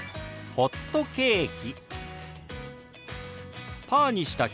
ホットケーキ。